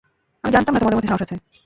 আমি জানতাম না তোমাদের মধ্যে সাহস আছে।